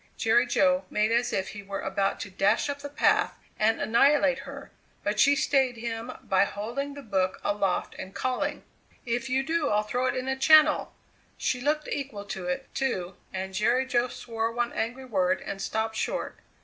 Jerry Jo made as if he were about to dash up the path and annihilate her, but she stayed him by holding the book aloft and calling: "If you do I'll throw it in the Channel!" She looked equal to it, too, and Jerry Jo swore one angry word and stopped short.